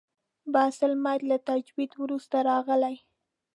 بحث المیت له تجوید وروسته راغلی.